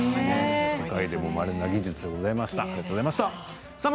世界でも、まれな技術でございました。